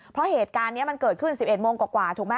เพราะเหตุการณ์นี้มันเกิดขึ้น๑๑โมงกว่าถูกไหม